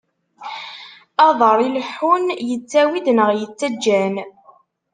Aḍaṛ ileḥḥun ittawi-d, neɣ ittaǧǧa-n.